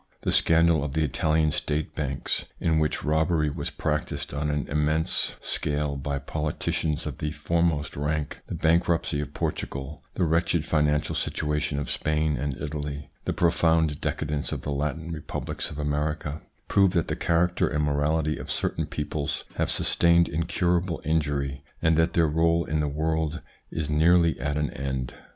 The scandal of the Italian State banks, in which robbery was practised on an immense scale by politicians of the foremost rank, the bankruptcy of Portugal, the wretched financial situation of Spain and Italy, the profound decadence of the Latin republics of America, prove that the character and morality of certain peoples have sustained incurable injury, and that their role in the world is nearly at an end.